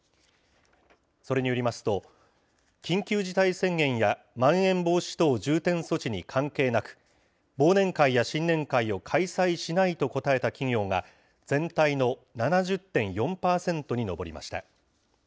それによりますと、緊急事態宣言やまん延防止等重点措置に関係なく、忘年会や新年会を開催しないと答えた企業が、全体の７０．４％に上りました。